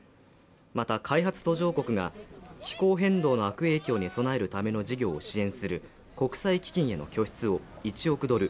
また開発途上国が気候変動の悪影響に備えるための事業を支援する国際基金への拠出を１億ドル